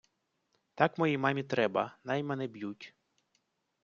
Так моїй мамі треба: най мене б'ють.